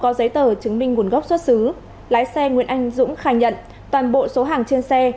có giấy tờ chứng minh nguồn gốc xuất xứ lái xe nguyễn anh dũng khai nhận toàn bộ số hàng trên xe